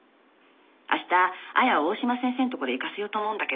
明日亜矢を大嶋先生のところへ行かせようと思うんだけど。